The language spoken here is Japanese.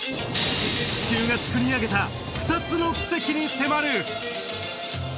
地球がつくり上げた２つの奇跡に迫る！